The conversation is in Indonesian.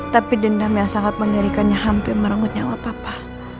tapi dendam yang sangat mengerikannya hampir merenggut nyawa papa